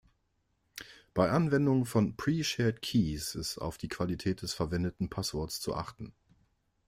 Bei Anwendung von "Pre-Shared-Keys" ist auf die Qualität des verwendeten Passworts zu achten.